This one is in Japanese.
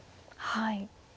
はい。